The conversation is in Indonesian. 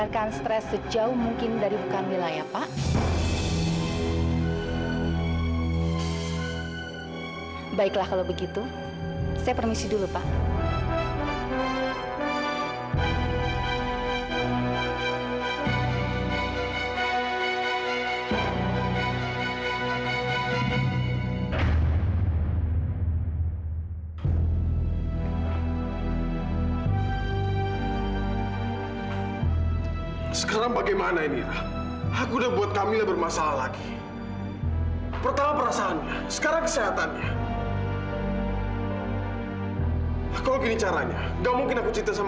kamu gak bisa terus berbohong